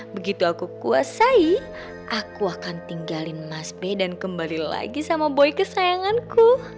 begitu aku kuasai aku akan tinggalin mas b dan kembali lagi sama boy kesayanganku